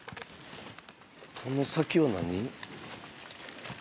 この先は何？